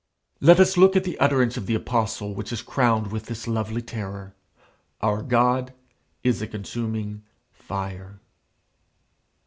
Let us look at the utterance of the apostle which is crowned with this lovely terror: "Our God is a consuming fire."